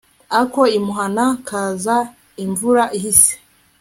ako imuhana kaza imvura ihise